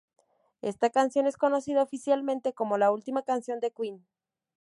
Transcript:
Esta canción es conocida oficialmente como "La Última Canción de Queen".